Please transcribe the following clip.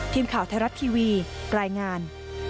ทีมข่าวไทยรัฐทีวีรายงาน